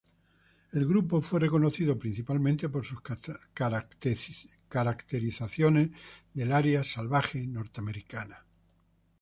El grupo fue reconocido principalmente por sus caracterizaciones del área salvaje norteamericana.